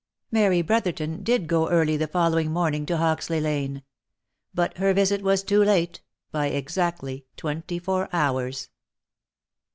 Mary Brotherton did go early the following morning to. Hoxley lane. But her visit was too late, by exactly twenty four hours.